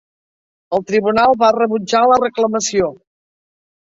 El tribunal va rebutjar la reclamació.